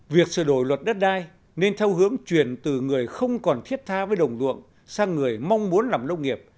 việc sửa đổi luật đất đai nên theo hướng chuyển từ người không còn thiết tha với đồng ruộng sang người mong muốn làm nông nghiệp